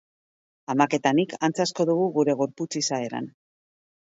Amak eta nik antza asko dugu gure gorputz izaeran.